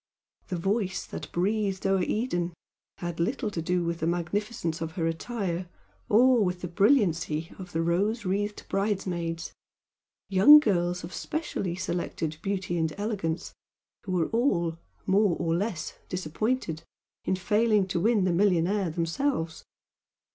"The Voice that breathed o'er Eden" had little to do with the magnificence of her attire, or with the brilliancy of the rose wreathed bridesmaids, young girls of specially selected beauty and elegance who were all more or less disappointed in failing to win the millionaire themselves.